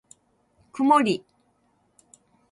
くもり